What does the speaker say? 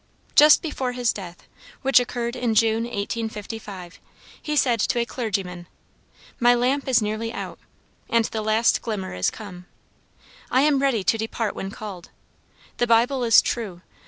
Just before his death, which occurred in June, 1855, he said to a clergyman, "My lamp is nearly out, and the last glimmer is come, I am ready to depart when called. The Bible is true.